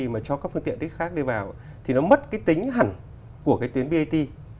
mà cho các phương tiện khác đi vào thì nó mất tính hẳn của tuyến brt